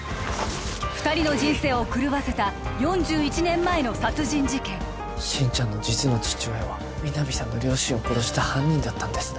二人の人生を狂わせた４１年前の殺人事件心ちゃんの実の父親は皆実さんの両親を殺した犯人だったんですね